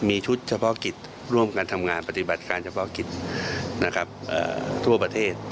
มีชุดเฉพาะกิจร่วมกันทำงานปฏิบัติการเฉพาะกิจนะครับทั่วประเทศ